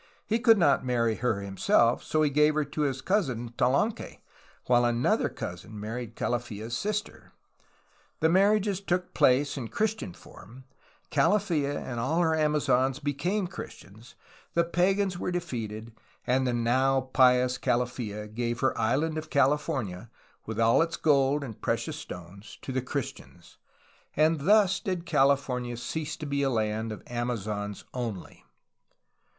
He could not marry her him self; so he gave her his cousin Talanque, while another cousin married Calafia's sister. The marriages took place in Christian form, Calafia and all her Amazons became Christians, the pagans were defeated, and the now pious Calafia gave her island California, with all its gold and pre cious stones, to the Christians. And thus did California cease to be a land of Amazons only.